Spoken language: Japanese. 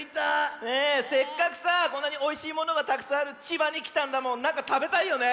せっかくさこんなにおいしいものがたくさんある千葉にきたんだもんなんかたべたいよね。